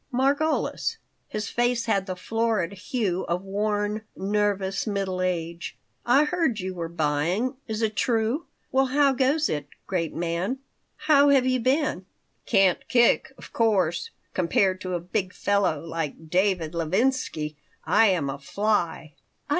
"Margolis!" His face had the florid hue of worn, nervous, middle age. "I heard you were buying. Is it true? Well, how goes it, great man?" "How have you been?" "Can't kick. Of course, compared to a big fellow like David Levinsky, I am a fly."